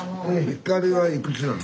光はいくつなの？